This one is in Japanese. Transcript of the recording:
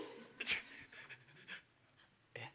えっ？